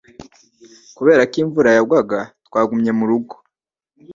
Kubera ko imvura yagwaga, twagumye murugo.